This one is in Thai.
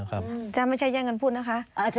ไม่ใช่แย่งกันพูดนะคะ